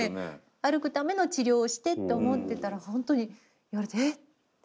歩くための治療をしてって思ってたらほんとに言われて「え？」って。